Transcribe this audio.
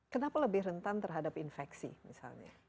kenapa lebih rentan terhadap infeksi misalnya